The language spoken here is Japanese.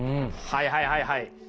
はいはいはいはい。